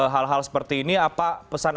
hal hal seperti ini apa pesan